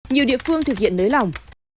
nhiều địa phương thực hiện lấy lòng